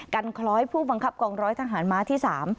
คล้อยผู้บังคับกองร้อยทหารม้าที่๓